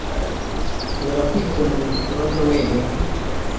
Nshobora kwikemurira ikibazo wenyine.